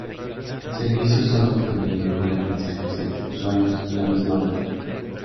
El servicio solo preveía enviar mensajes entre usuarios a la misma máquina.